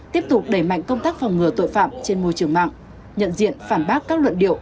tiếp tục đẩy mạnh công tác phòng ngừa tội phạm trên môi trường mạng nhận diện phản bác các luận điệu